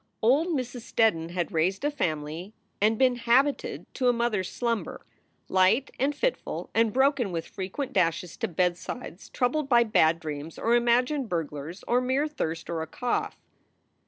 Old Mrs. Steddon had raised a family and been habited to a mother s slumber, light and fitful and broken with frequent dashes to bedsides troubled by bad dreams or imagined burglars or mere thirst or a cough.